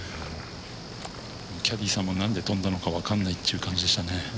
キャディーさんも何で飛んだのか分からないという感じでしたね。